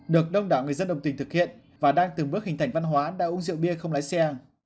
được đông đảo người dân đồng tình thực hiện và đang từng bước hình thành văn hóa đã uống rượu bia không lái xe